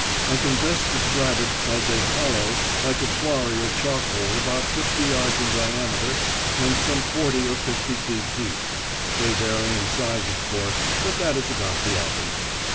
I can best describe it as a hollow like a quarry or chalk hole about fifty yards in diameter and some forty or fifty feet deep. (They vary in size, of course, but that is about the average.)